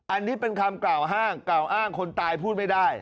อันนี้เป็นคำกล่าวอ้างกล่าวอ้างคนตายพูดไม่ได้